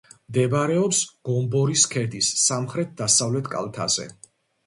მდებარეობს გომბორის ქედის სამხრეთ-დასავლეთ კალთაზე.